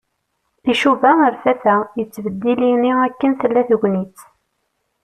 Icuba ar tata. Yettbeddil ini akken tella tegnit.